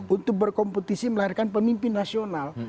untuk berkompetisi melahirkan pemimpin nasional